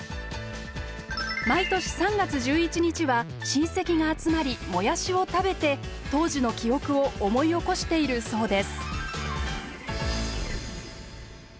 毎年３月１１日は親戚が集まりもやしを食べて当時の記憶を思い起こしているそうです。